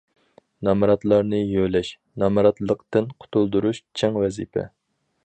نامراتلارنى يۆلەش، نامراتلىقتىن قۇتۇلدۇرۇش چىڭ ۋەزىپە.